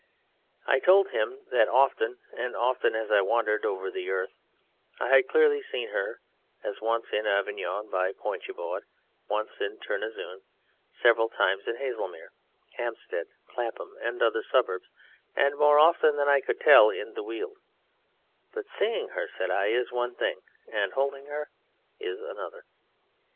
I told him that often and often as I wandered over the earth I had clearly seen Her, as once in Auvergne by Pont Gibaud, once in Terneuzen, several times in Hazlemere, Hampstead, Clapham, and other suburbs, and more often than I could tell in the Weald: "but seeing Her," said I, "is one thing and holding Her is another.